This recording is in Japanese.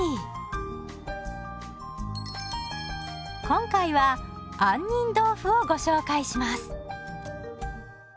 今回は杏仁豆腐をご紹介します。